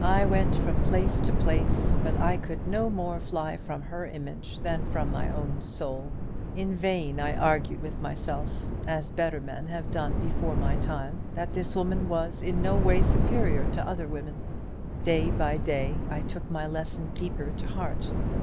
I went from place to place; but I could no more fly from her image than from my own soul. In vain I argued with myself as better men have done before my time that this woman was in no way superior to other women. Day by day I took my lesson deeper to heart.